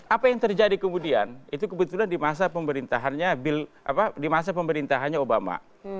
apa yang terjadi kemudian itu kebetulan di masa pemerintahannya obama